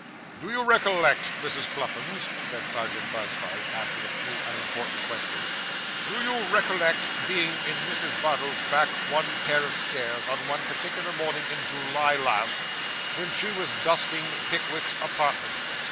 'Do you recollect, Mrs. Cluppins,' said Serjeant Buzfuz, after a few unimportant questions 'do you recollect being in Mrs. Bardell's back one pair of stairs, on one particular morning in July last, when she was dusting Pickwick's apartment?